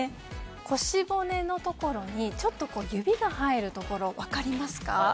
腰骨のところに指が入るところ分かりますか？